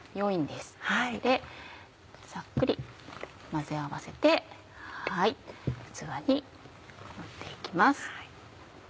でさっくり混ぜ合わせて器に盛って行きます。